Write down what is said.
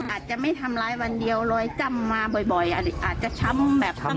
อาจจะไม่ทำร้ายวันเดียวรอยจ้ำมาบ่อยอาจจะช้ำแบบซ้ำ